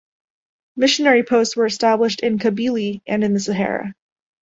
Missionary posts were established in Kabylie and in the Sahara.